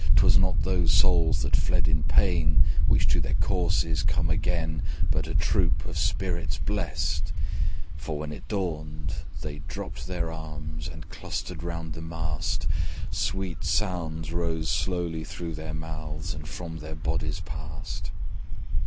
'Twas not those souls that fled in pain, Which to their corses came again, But a troop of spirits blest: For when it dawned they dropped their arms, And clustered round the mast; Sweet sounds rose slowly through their mouths, And from their bodies passed.